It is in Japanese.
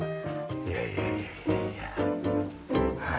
いやいやいやいやいや。